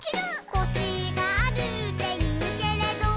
「コシがあるっていうけれど」